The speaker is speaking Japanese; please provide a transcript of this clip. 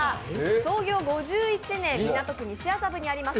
創業５１年、港区西麻布にあります